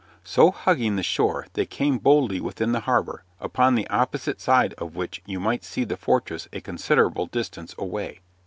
So hugging the shore, they came boldly within the harbor, upon the opposite side of which you might see the fortress a considerable distance away.